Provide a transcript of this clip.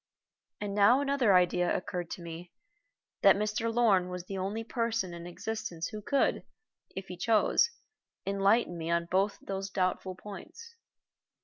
And now another idea occurred to me, that Mr. Lorn was the only person in existence who could, if he chose, enlighten me on both those doubtful points.